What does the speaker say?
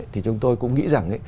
thì chúng tôi cũng nghĩ rằng